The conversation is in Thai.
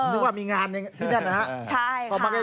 นึกว่ามีงานที่นั่นนะครับ